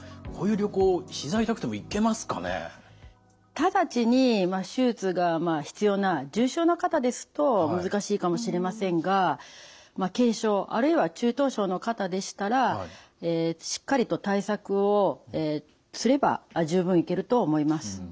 直ちに手術が必要な重症な方ですと難しいかもしれませんが軽症あるいは中等症の方でしたらしっかりと対策をすれば十分行けると思います。